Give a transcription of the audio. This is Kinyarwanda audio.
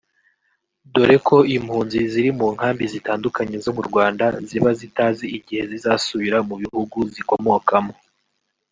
dore ko impunzi ziri mu nkambi zitandukanye zo mu Rwanda ziba zitazi igihe zizasubirira mu bihugu zikomokamo